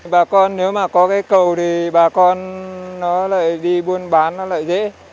bà con nếu mà có cây cầu thì bà con nó lại đi buôn bán nó lại dễ